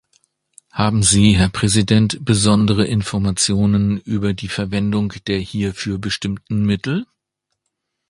Haben Sie, Herr Präsident, besondere Informationen über die Verwendung der hierfür bestimmten Mittel?